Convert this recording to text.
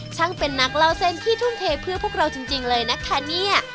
ช่างเป็นนักเล่าเส้นที่ทุ่มเทเพื่อพวกเราจริงเลยนะคะเนี่ย